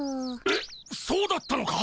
えっそうだったのか？